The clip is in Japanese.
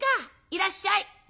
いらっしゃい」。